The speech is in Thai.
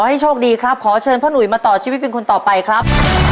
ให้โชคดีครับขอเชิญพ่อหนุ่ยมาต่อชีวิตเป็นคนต่อไปครับ